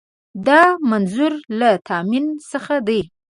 دا منظور له تامین څخه دی.